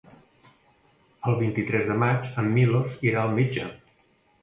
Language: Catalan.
El vint-i-tres de maig en Milos irà al metge.